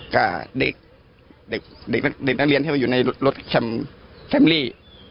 กับเด็กนักเรียนที่ว่าอยู่ในรถแฟมบิลลี่